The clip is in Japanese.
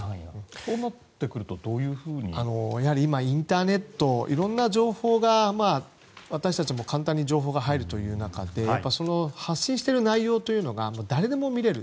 そうなってくるとインターネットでいろんな情報が私たちも簡単に情報が入る中で発信している情報というのが誰でも見られる。